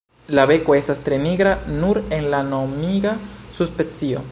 La beko estas tre nigra nur en la nomiga subspecio.